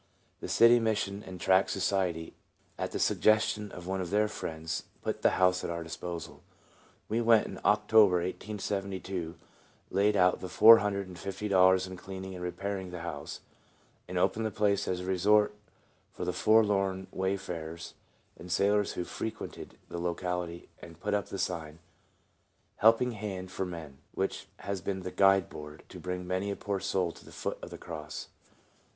The City Mission and Tract Society, at the sug gestion of one of their friends, put the house at our disposal. We went in October, 1872, laid out the four hundred and fifty dollars in cleaning and repairing the house, and opened the place as a resort for the forlorn way farers and sailors who frequented the locality, and put up the sign, " Helping Hand for Men," which has been the guide board to bring many a poor soul to the foot of the cross.